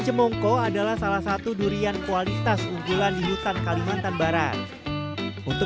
jemongko adalah salah satu durian kualitas unggulan di hutan kalimantan barat untuk